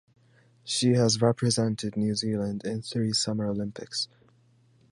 She has represented New Zealand in three Summer Olympics.